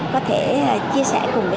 có thể chia sẻ cùng với